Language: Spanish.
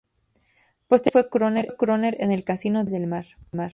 Posteriormente fue crooner en el Casino de Viña del Mar.